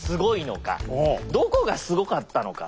どこがすごかったのか。